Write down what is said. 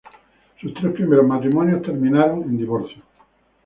Sus tres primeros matrimonios terminaron en divorcio.